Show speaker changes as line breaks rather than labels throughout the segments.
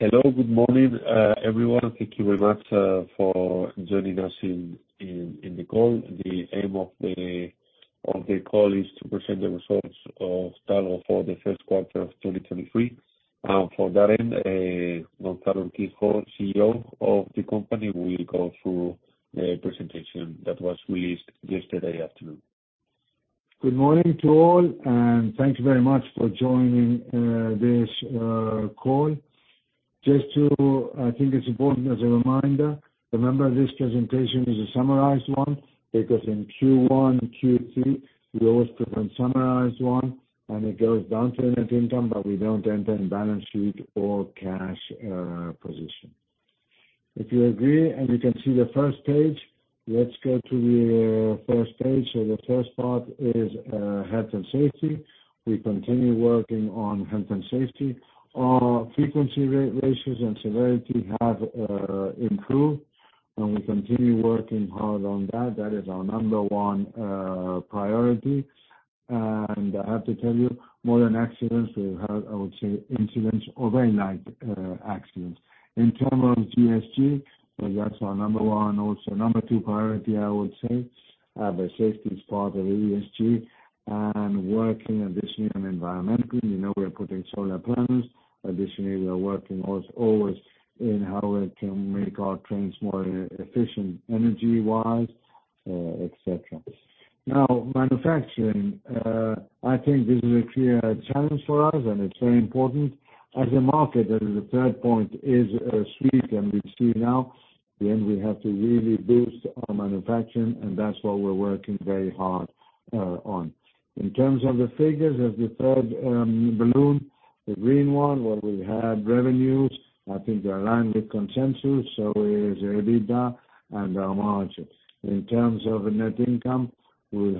Hello. Good morning, everyone. Thank you very much for joining us in the call. The aim of the call is to present the results of Talgo for the first quarter of 2023. For that end, Gonzalo Urquijo, CEO of the company, will go through the presentation that was released yesterday afternoon.
Good morning to all, thank you very much for joining this call. I think it's important as a reminder, remember this presentation is a summarized one because in Q1 and Q3, we always present summarized one, it goes down to net income, we don't enter in balance sheet or cash position. If you agree, you can see the first page, let's go to the first page. The first part is health and safety. We continue working on health and safety. Our frequency ratios and severity have improved, we continue working hard on that. That is our number one priority. I have to tell you, more than accidents, we've had, I would say, incidents overnight, accidents. In terms of ESG, well, that's our number one, also number two priority, I would say. Safety is part of ESG and working additionally on environmental. You know, we are putting solar panels. Additionally, we are working as always in how we can make our trains more e-efficient energy-wise, et cetera. Manufacturing, I think this is a clear challenge for us, and it's very important. As a market, that is the third point is sweet. We see now we have to really boost our manufacturing, that-'s what we're working very hard on. In terms of the figures, as the third balloon, the green one, where we had revenues, I think they're in line with consensus, so is EBITDA and our margin. In terms of net income, we'll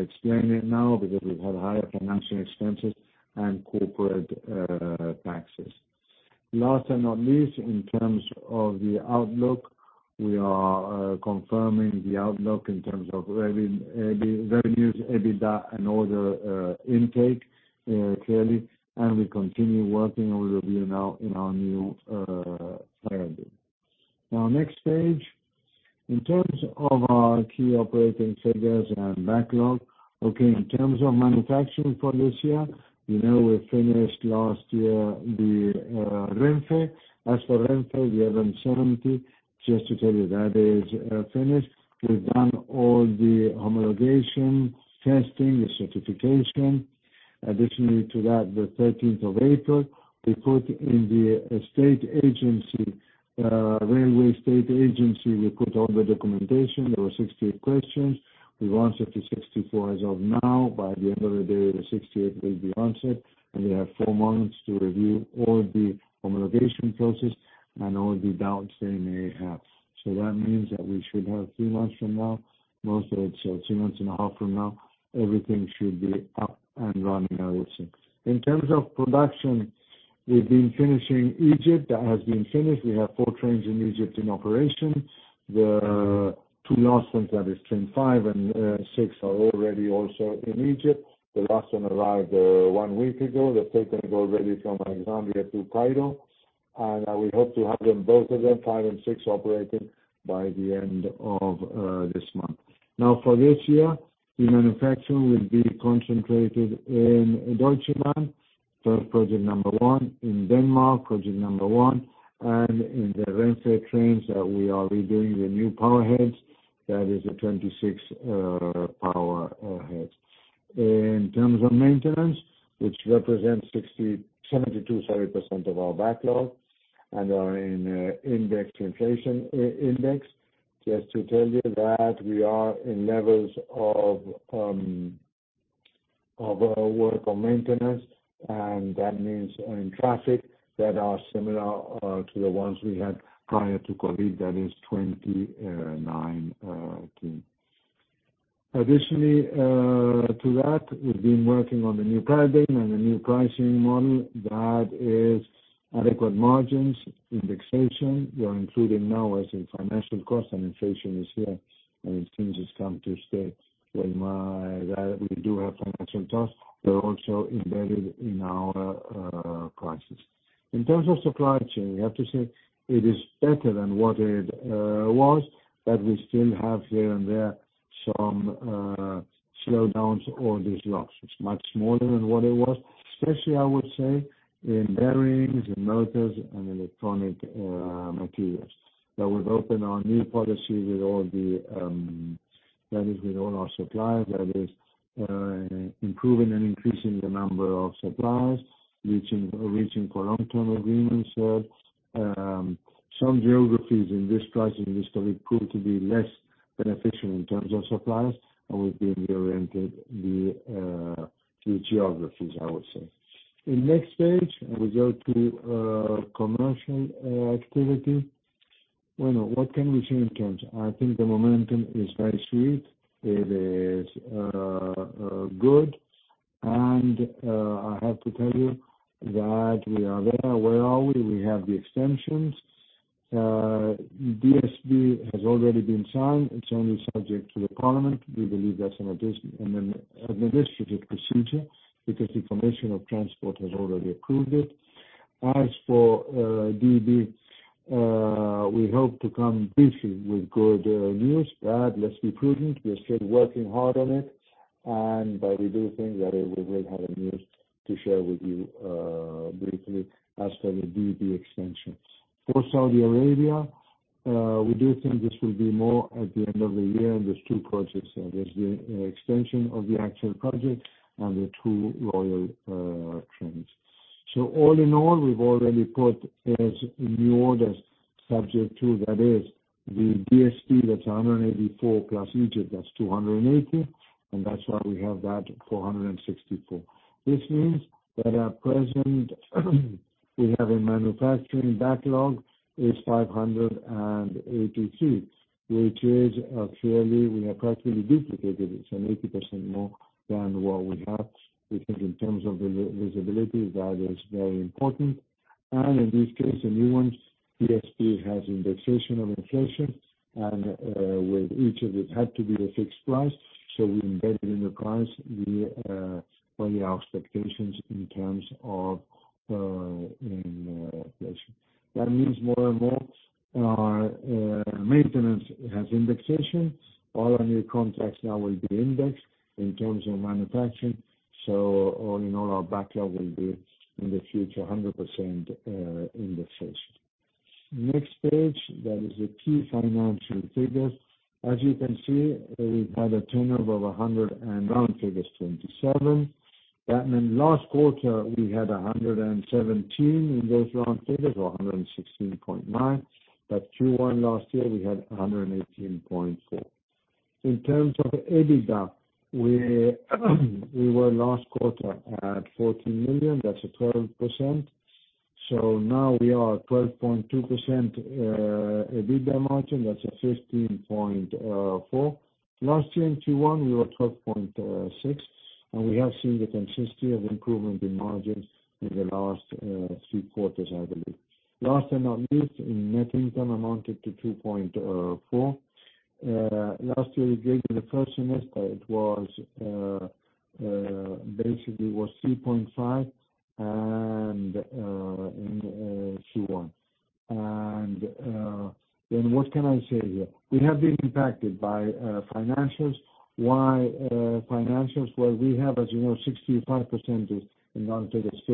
explain it now because we've had higher financial expenses and corporate taxes. Last and not least, in terms of the outlook, we are confirming the outlook in terms of revenues, EBITDA and order intake clearly, and we continue working on the view now in our new calendar. Now next page. In terms of our key operating figures and backlog, okay, in terms of manufacturing for this year, you know, we finished last year the Renfe. As for Renfe, the R70, just to tell you that is finished. We've done all the homologation, testing, the certification. Additionally to that, the 13th of April, we put in the estate agency, railway state agency, we put all the documentation. There were 68 questions. We've answered to 64 as of now. By the end of the day, the 68 will be answered, and we have four months to review all the homologation process and all the doubts they may have. That means that we should have three months from now, most of it, so two months and a half from now, everything should be up and running, I would say. In terms of production, we've been finishing Egypt. That has been finished. We have four trains in Egypt in operation. The two last ones that is train five and six are already also in Egypt. The last one arrived one week ago. They've taken it already from Alexandria to Cairo, and we hope to have them, both of them, five and six, operating by the end of this month. For this year, the manufacturing will be concentrated in Deutschland for project number one, in Denmark, project number one, and in the Renfe trains that we are redoing the new power heads. That is the 26 power heads. In terms of maintenance, which represents 72.7% of our backlog and are in index inflation index. Just to tell you that we are in levels of work on maintenance, and that means in traffic that are similar to the ones we had prior to COVID, that is 2019. Additionally, to that, we've been working on the new pricing and the new pricing model that is adequate margins, indexation. We are including now as in financial cost and inflation is here, and it seems it's come to stay. That we do have financial costs. They're also embedded in our prices. In terms of supply chain, we have to say it is better than what it was, but we still have here and there some slowdowns or these locks. It's much smaller than what it was, especially I would say in bearings, in motors and electronic materials. Now we've opened our new policy with all the, that is with all our suppliers. That is improving and increasing the number of suppliers, reaching for long-term agreements. Some geographies in this pricing history proved to be less beneficial in terms of suppliers, and we've been reorienting the geographies, I would say. In next page, we go to commercial activity. Well, what can we say in terms? I think the momentum is very sweet. It is good. I have to tell you that we are very well. We have the extensions. DSB has already been signed. It's only subject to the parliament. We believe that's an administrative procedure because the Commission of Transport has already approved it. As for DB, we hope to come briefly with good news. Let's be prudent. We are still working hard on it, but we do think that it will have good news to share with you briefly as per the DB extensions. For Saudi Arabia, we do think this will be more at the end of the year. There's two projects. There's the extension of the actual project and the two royal trains. All in all, we've already put as new orders subject to, that is the DSB, that's 184, plus Egypt, that's 280, and that's why we have that 464. This means that at present we have a manufacturing backlog is 583, which is actually we have practically duplicated. It's an 80% more than what we have. We think in terms of the liability, that is very important. In this case, the new ones, DSB, has indexation of inflation and with each of it had to be a fixed price. We embedded in the price the all the expectations in terms of in inflation. That means more and more maintenance has indexation. All our new contracts now will be indexed in terms of manufacturing, all in all, our backlog will be in the future 100% indexed. Next page, that is the key financial figures. As you can see, we've had a turnover of 127. That meant last quarter we had 117. In those round figures were 116.9. Q1 last year we had 118.4. In terms of EBITDA, we were last quarter at 14 million. That's 12%. Now we are at 12.2% EBITDA margin, that's 15.4%. Last year in Q1, we were at 12.6%, and we have seen the consistency of improvement in margins in the last three quarters, I believe. Last but not least, in net income amounted to 2.4. Last year in the first semester, it was basically it was 3.5 in Q1. What can I say here? We have been impacted by financials. Why financials? Well, we have, as you know, 65% is in non-fixed,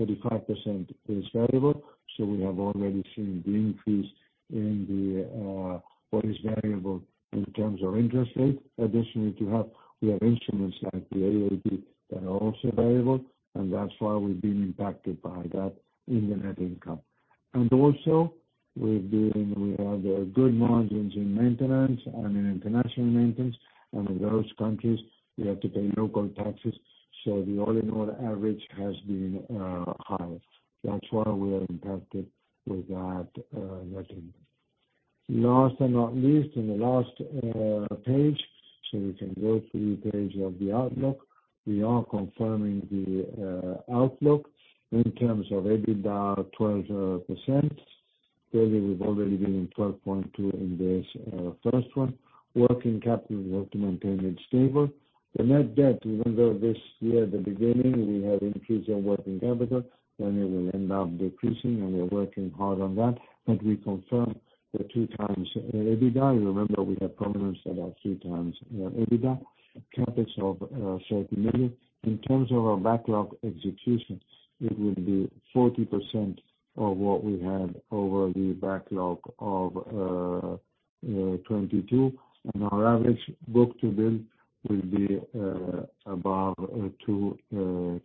35% is variable. We have already seen the increase in the what is variable in terms of interest rates. Additionally to have, we have instruments like the AAP that are also variable, and that's why we've been impacted by that in the net income. Also we've been, we have good margins in maintenance and in international maintenance. In those countries we have to pay local taxes, the all-in-all average has been higher. That's why we are impacted with that net income. Last not least, in the last page, we can go through the page of the outlook. We are confirming the outlook in terms of EBITDA 12%. Clearly, we've already been in 12.2% in this first one. Working capital, working maintenance stable. The net debt, remember this year, the beginning, we had increase in working capital, it will end up decreasing and we are working hard on that. We confirm the 2x EBITDA. You remember we had problems about 3x EBITDA. CapEx of 30 million. In terms of our backlog execution, it will be 40% of what we had over the backlog of 2022. Our average book-to-bill will be above 2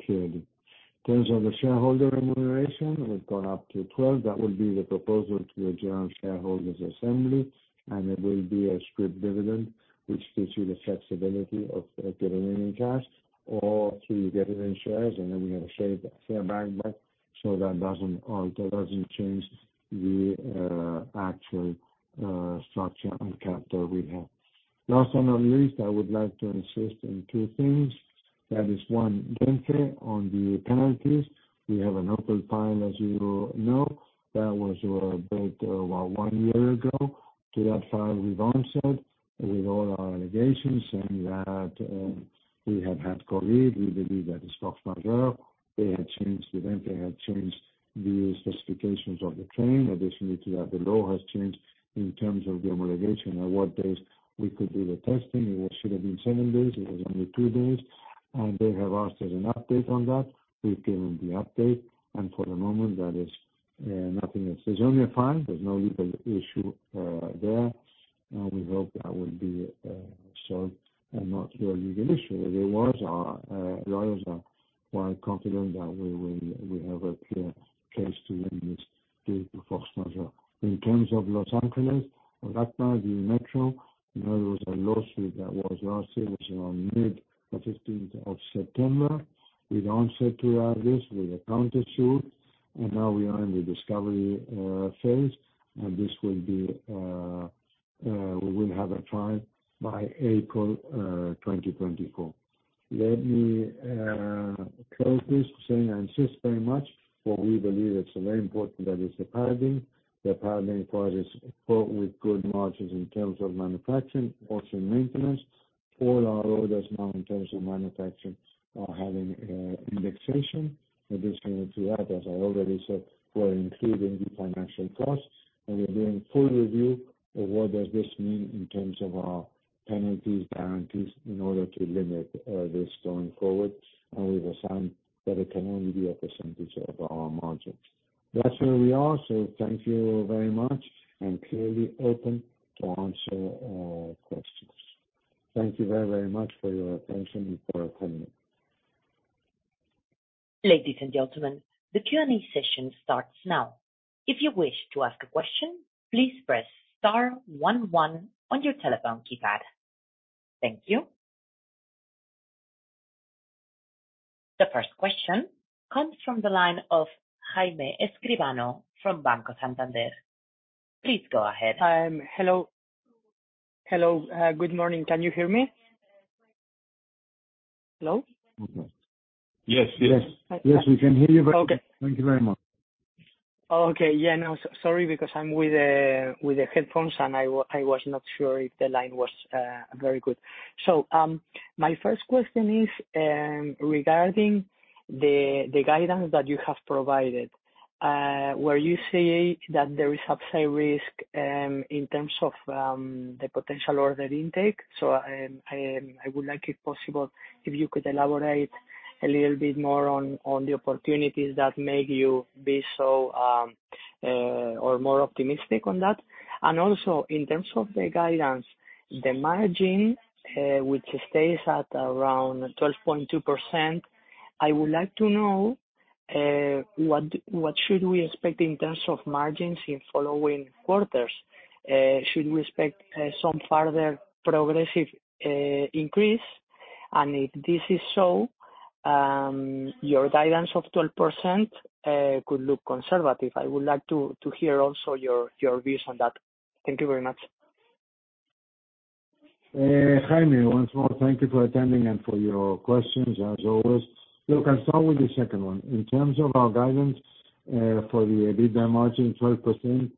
clearly. In terms of the shareholder remuneration, we've gone up to 12. It will be the proposal to the general shareholders' assembly, and it will be a scrip dividend, which gives you the flexibility of getting it in cash or through getting in shares. Then we have a share buyback, that doesn't change the actual structure and capital we have. Last but not least, I would like to insist on two things. That is one, Renfe, on the penalties. We have an open file, as you know. That was built one year ago. To that file we've answered with all our allegations saying that we have had COVID. We believe that is force majeure. They had changed event. They had changed the specifications of the train. Additionally to that, the law has changed in terms of the motivation and what days we could do the testing. It was, should have been seven days. It was only two days. They have asked us an update on that. We've given the update, and for the moment that is nothing else. There's only a fine. There's no legal issue there. We hope that will be solved and not a legal issue. The lawyers are quite confident that we have a clear case to win this due to force majeure. In terms of Los Angeles, LACMTA, the Metro, you know, there was a lawsuit that was launched. It was around mid the 15th of September. We answered to this with a counter suit, and now we are in the discovery phase. This will be, we will have a trial by April 2024. Let me close this saying I insist very much, for we believe it's very important that is the power game. The power game part is full with good margins in terms of manufacturing, also maintenance. All our orders now in terms of manufacturing are having indexation. In addition to that, as I already said, we're including the financial costs, and we're doing full review of what does this mean in terms of our penalties, guarantees, in order to limit this going forward. We've assigned that it can only be a percentage of our margin. That's where we are. Thank you very much, and clearly open to answer questions. Thank you very, very much for your attention and for coming.
Ladies and gentlemen, the Q&A session starts now. If you wish to ask a question, please press star 11 on your telephone keypad. Thank you. The first question comes from the line of Jaime Escribano from Banco Santander. Please go ahead.
Hello. Hello. Good morning. Can you hear me? Hello?
Okay.
Yes, yes.
Yes, we can hear you.
Okay.
Thank you very much.
Okay. Yeah, no. Sorry, because I'm with the headphones, and I was not sure if the line was very good. My first question is regarding the guidance that you have provided, where you say that there is upside risk in terms of the potential order intake. I would like it possible if you could elaborate a little bit more on the opportunities that make you be so or more optimistic on that. In terms of the guidance, the margin, which stays at around 12.2%, I would like to know what should we expect in terms of margins in following quarters? Should we expect some further progressive increase? If this is so, your guidance of 12% could look conservative. I would like to hear also your views on that. Thank you very much.
Jaime, once more, thank you for attending and for your questions as always. I'll start with the second one. In terms of our guidance, for the EBITDA margin, 12%,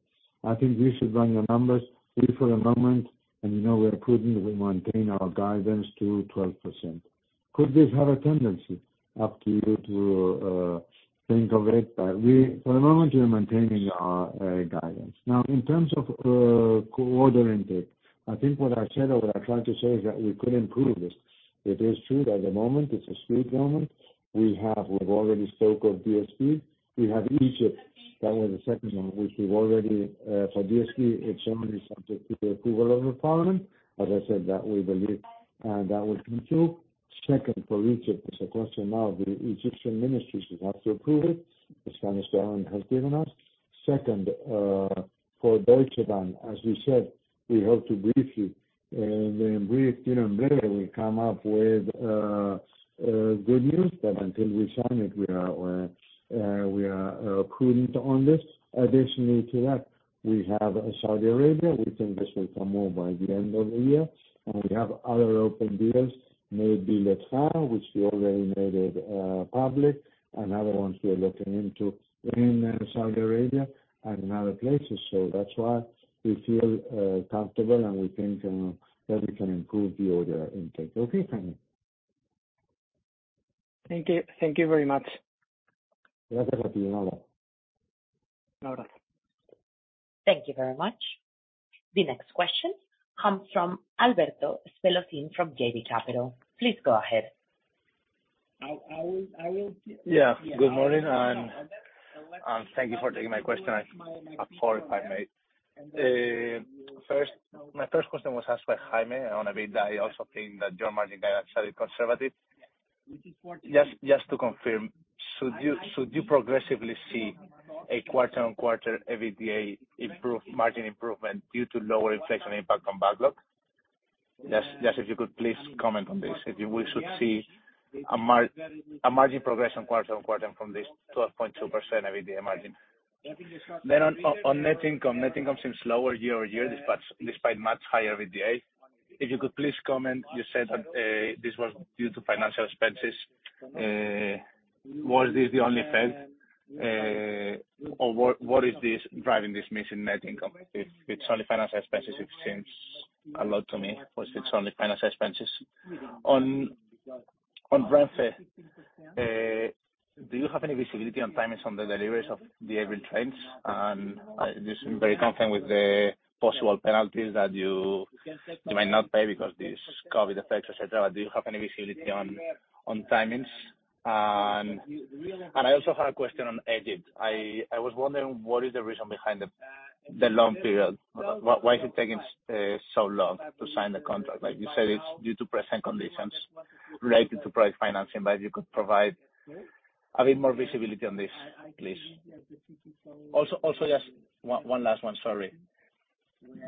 I think we should run the numbers. We for the moment, and you know we are prudent, we maintain our guidance to 12%. Could this have a tendency? Up to you to think of it, but we for the moment we are maintaining our guidance. In terms of coordinated, I think what I said or what I tried to say is that we could improve this. It is true that the moment, it's a sweet moment. We have what we've already spoke of DSB. We have Egypt. That was the second one, which we've already. For DSB, it's only subject to the approval of the parliament. As I said, that we believe that will come through. Second, for Egypt, it's a question now of the Egyptian ministries that have to approve it. The Spanish government has given us. Second, for Deutsche Bahn, as we said, we hope to brief you. The brief, you know, better we come up with good news, but until we sign it, we are prudent on this. Additionally to that, we have Saudi Arabia. We think this will come more by the end of the year. We have other open deals, maybe [audio distortion, which we already made it public, and other ones we are looking into in Saudi Arabia and in other places. That's why we feel comfortable, and we think that we can improve the order intake. Okay, Jaime?
Thank you. Thank you very much.
Thank you very much. The next question comes from Alberto Espelosín from JB Capital. Please go ahead.
I will.
Yeah. Good morning, and thank you for taking my question. I apologize. First, my first question was asked by Jaime. I also think that your margin guidance are a bit conservative. Just to confirm, should you progressively see a quarter-on-quarter EBITDA improve, margin improvement due to lower inflation impact on backlog? Just if you could please comment on this. If you wish, should see a margin progression quarter-on-quarter from this 12.2% EBITDA margin. On net income. Net income seems lower year-on-year, despite much higher EBITDA. If you could please comment. You said that this was due to financial expenses. Was this the only effect? What is this driving this missing net income? If it's only financial expenses, it seems a lot to me. Was it only financial expenses? On Renfe, do you have any visibility on timings on the deliveries of the Avril trains? This very concerned with the possible penalties that you might not pay because these COVID effects, et cetera. Do you have any visibility on timings? I also had a question on Egypt. I was wondering what is the reason behind the long period. Why is it taking so long to sign the contract? Like you said, it's due to present conditions related to price financing. If you could provide a bit more visibility on this, please. Just one last one. Sorry.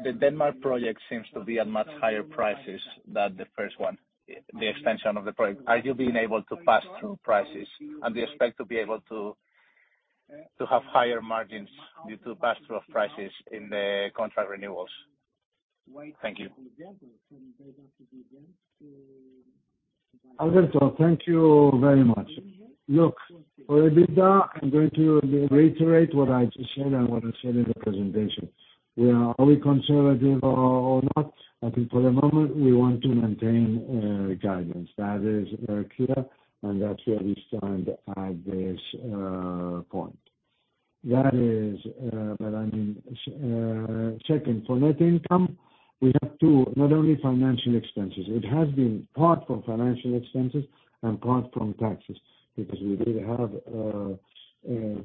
The Denmark project seems to be at much higher prices than the first one, the extension of the project. Are you being able to pass through prices, and do you expect to be able to? To have higher margins due to pass through of prices in the contract renewals. Thank you.
Alberto, thank you very much. For EBITDA, I'm going to reiterate what I just said and what I said in the presentation. We are only conservative or not. I think for the moment we want to maintain guidance. That is very clear, and that's where we stand at this point. I mean, second, for net income, we have two, not only financial expenses. It has been part from financial expenses and part from taxes, because we did have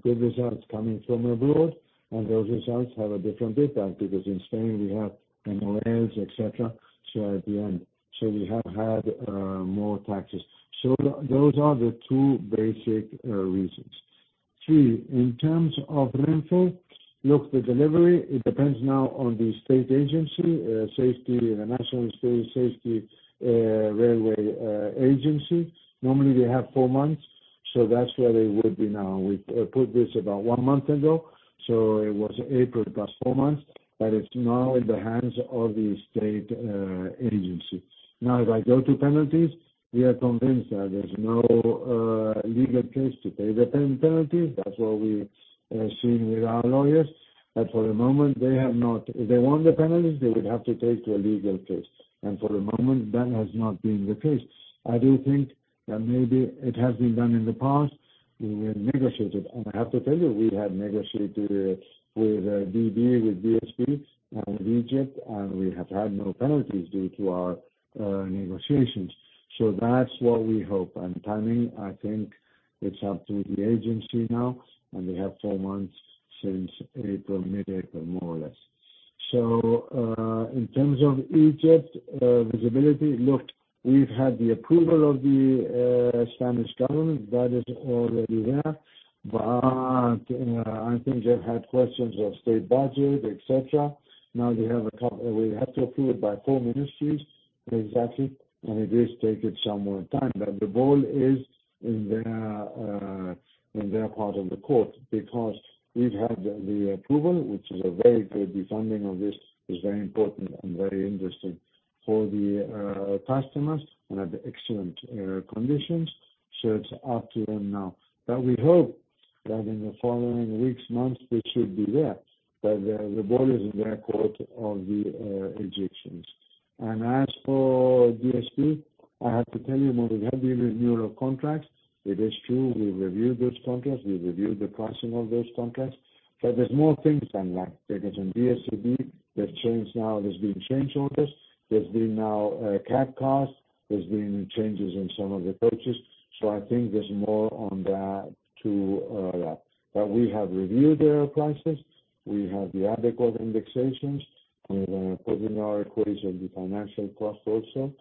good results coming from abroad, and those results have a different data. In Spain we have NOLs, et cetera. We have had more taxes. Those are the two basic reasons. Three, in terms of Renfe, look, the delivery, it depends now on the state agency, safety, the National State Safety Railway agency. Normally, they have four months, that's where they would be now. We put this about one month ago, it was April plus four months, it's now in the hands of the state agency. If I go to penalties, we are convinced that there's no legal case to pay the penalty. That's what we've seen with our lawyers. For the moment they have not. If they want the penalties, they would have to take to a legal case, for the moment, that has not been the case. I do think that maybe it has been done in the past. We have negotiated. I have to tell you, we have negotiated with DB, with DSB, with Egypt, and we have had no penalties due to our negotiations. That's what we hope. Timing, I think it's up to the agency now, and they have four months since April, mid-April, more or less. In terms of Egypt, visibility, look, we've had the approval of the Spanish government. That is already there. I think they've had questions of state budget, et cetera. Now we have to approve it by four ministries exactly, and it is taking some more time. The ball is in their part of the court, because we've had the approval, which is a very good. The funding of this is very important and very interesting for the customers and at excellent conditions. It's up to them now. We hope that in the following weeks, months, they should be there. The ball is in their court of the Egyptians. As for DSB, I have to tell you, we have been renewal contracts. It is true we reviewed those contracts. We reviewed the pricing of those contracts. There's more things unlike. Because in DSB, there's change now. There's been change orders. There's been now CAP costs. There's been changes in some of the purchase. I think there's more on that to. We have reviewed their prices. We have the adequate indexations. We're gonna put in our equation the financial cost also.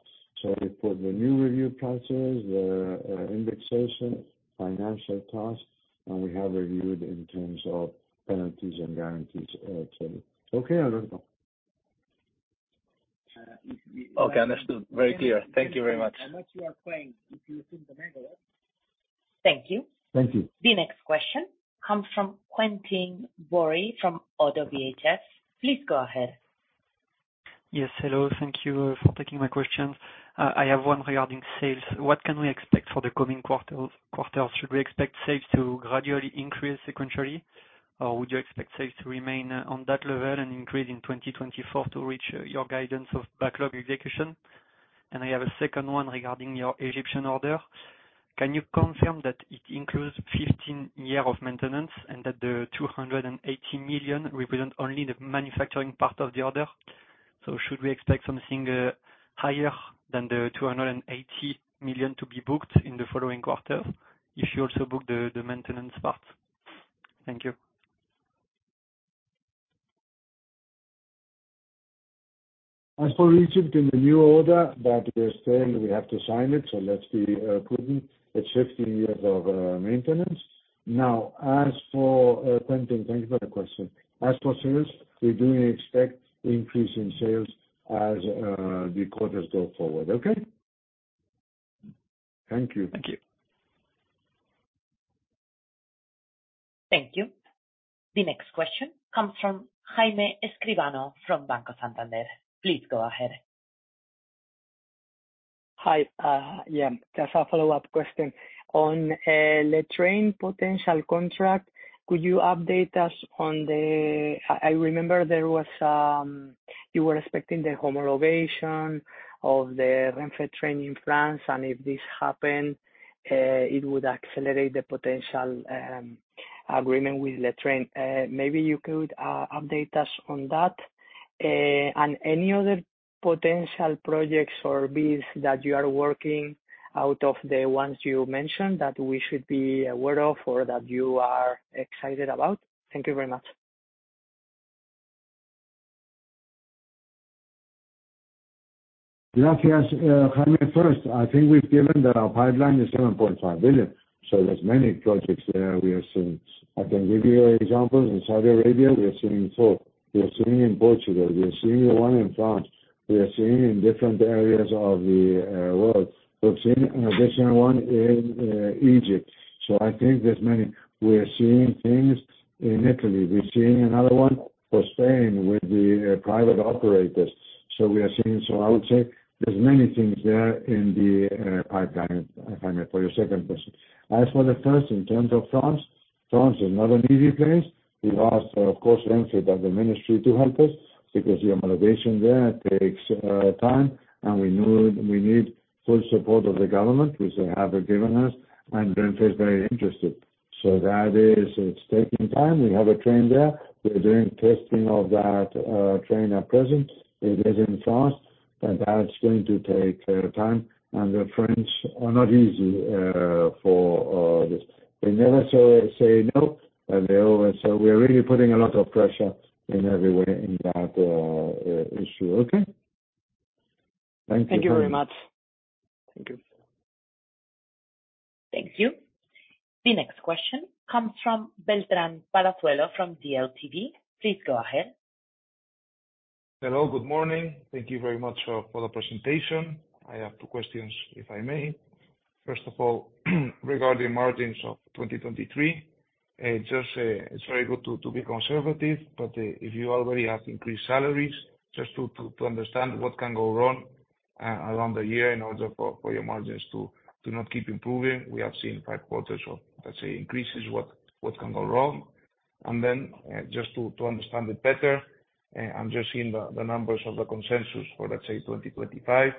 We put the new review prices, the indexation, financial costs, and we have reviewed in terms of penalties and guarantees, too. Okay, Alberto.
Okay, understood. Very clear. Thank you very much.
How much you are paying if you think the mega.
Thank you.
Thank you.
The next question comes from Quentin Borie from ODDO BHF. Please go ahead.
Yes, hello. Thank you for taking my questions. I have one regarding sales. What can we expect for the coming quarters? Should we expect sales to gradually increase sequentially, or would you expect sales to remain on that level and increase in 2024 to reach your guidance of backlog execution? I have a second one regarding your Egyptian order. Can you confirm that it includes 15 year of maintenance and that the 280 million represent only the manufacturing part of the order? Should we expect something higher than the 280 million to be booked in the following quarters if you also book the maintenance part? Thank you.
As for Egypt in the new order, that is saying we have to sign it, so let's be prudent. It's 15 years of maintenance. As for Quentin, thank you for the question. As for sales, we do expect increase in sales as the quarters go forward. Okay? Thank you.
Thank you.
Thank you. The next question comes from Jaime Escribano from Banco Santander. Please go ahead.
Hi. Yeah, just a follow-up question. On Le Train potential contract, could you update us on the? I remember there was you were expecting the homologation of the Renfe train in France. If this happened, it would accelerate the potential agreement with Le Train. Maybe you could update us on that. Any other potential projects or bids that you are working out of the ones you mentioned that we should be aware of or that you are excited about? Thank you very much.
Gracias, Jaime. First, I think we've given that our pipeline is 7.5 billion. There's many projects there we are seeing. I can give you examples. In Saudi Arabia, we are seeing four. We are seeing in Portugal, we are seeing one in France. We are seeing in different areas of the world. We've seen an additional one in Egypt. I think there's many. We are seeing things in Italy. We're seeing another one for Spain with the private operators. We are seeing. I would say there's many things there in the pipeline, Jaime, for your second question. As for the first, in terms of France is not an easy place. We've asked, of course, Renfe at the ministry to help us because the mobilization there takes time. We knew we need full support of the government, which they haven't given us. Renfe is very interested. That is, it's taking time. We have a train there. We're doing testing of that train at present. It is in France. That's going to take time. The French are not easy for this. They never say no. They always say, we are really putting a lot of pressure in every way in that issue. Okay? Thank you.
Thank you very much. Thank you.
Thank you. The next question comes from Beltran Palazuelo from DLTV. Please go ahead.
Hello, good morning. Thank you very much for the presentation. I have two questions, if I may. First of all, regarding margins of 2023. Just it's very good to be conservative, but if you already have increased salaries, just to understand what can go wrong around the year in order for your margins to not keep improving. We have seen five quarters of, let's say, increases. What can go wrong? Then, just to understand it better, I'm just seeing the numbers of the consensus for, let's say, 2025.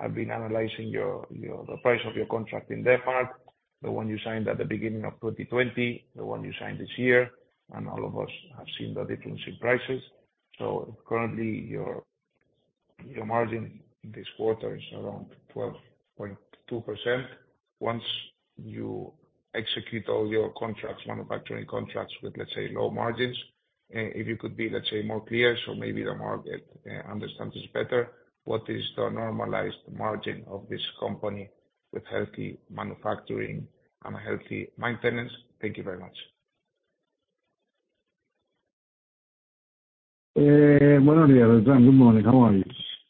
I've been analyzing your... the price of your contract in Denmark, the one you signed at the beginning of 2020, the one you signed this year, and all of us have seen the difference in prices. Currently, your margin this quarter is around 12.2%. Once you execute all your contracts, manufacturing contracts with, let's say, low margins, if you could be, let's say, more clear so maybe the market understands this better. What is the normalized margin of this company with healthy manufacturing and healthy maintenance? Thank you very much.
Well, good morning. How are you?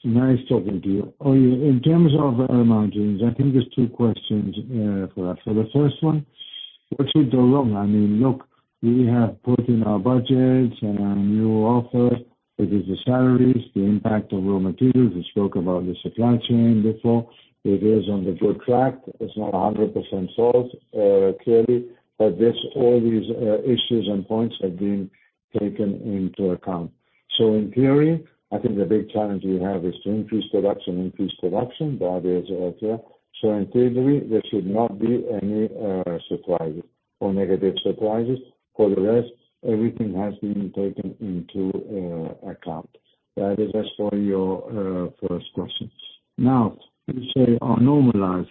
Nice talking to you. Well, in terms of our margins, I think there's two questions for that. For the first one, what could go wrong? I mean, look, we have put in our budgets and our new offer. It is the salaries, the impact of raw materials. We spoke about the supply chain before. It is on the good track. It's not 100% solved, clearly. There's all these issues and points are being taken into account. In theory, I think the big challenge we have is to increase production. That is out there. In theory, there should not be any surprises or negative surprises. For the rest, everything has been taken into account. That is just for your first questions. You say are normalized.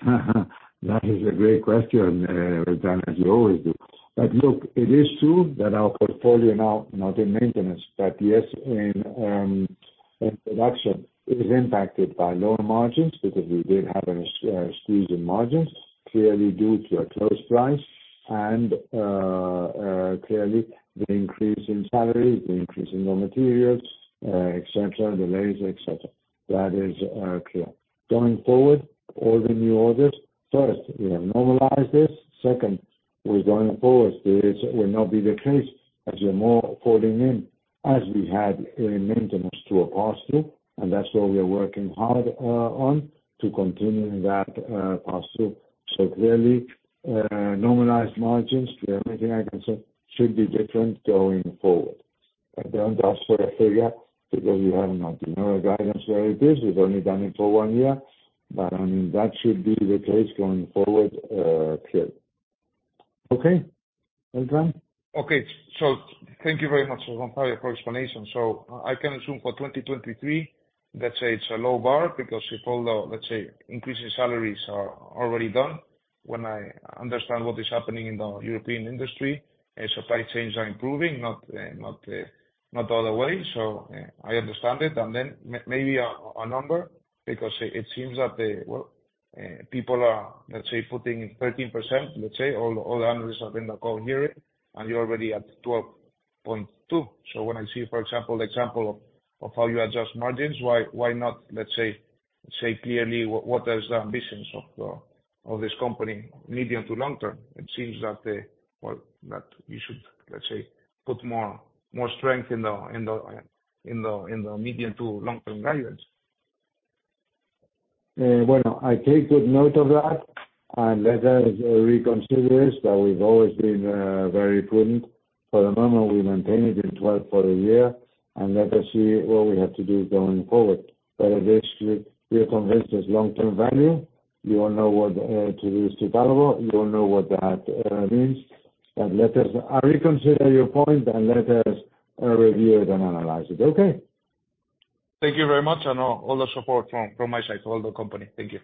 That is a great question, Beltran, as you always do. It is true that our portfolio now, not in maintenance, but yes, in production is impacted by lower margins because we did have a squeeze in margins, clearly due to a close price and clearly the increase in salaries, the increase in raw materials, et cetera, delays, et cetera. That is clear. Going forward, all the new orders, first, we have normalized this. Second, we're going forward. This will not be the case as we're more falling in, as we had in maintenance to a pass-through, and that's where we are working hard on to continue that pass-through. Clearly, normalized margins, everything I can say should be different going forward. Don't ask for a figure because we have not. We know the guidance where it is. We've only done it for one year. I mean, that should be the case going forward, clearly. Okay, Beltran?
Thank you very much, Gonzalo, for explanation. I can assume for 2023, let's say it's a low bar because with all the, let's say, increases in salaries are already done. When I understand what is happening in the European industry and supply chains are improving not all the way. I understand it. And then maybe a number because it seems that the... Well, people are, let's say, putting 13%, let's say, all the analysts have been calling here, and you're already at 12.2%. When I see, for example, of how you adjust margins, why not say clearly what is the ambitions of this company medium to long term? It seems that the... Well, that you should, let's say, put more strength in the medium to long term guidance.
Well, I take good note of that, and let us reconsider it, but we've always been very prudent. For the moment, we maintain it in 12 for the year, and let us see what we have to do going forward. At least we are convinced there's long term value. You all know what to do.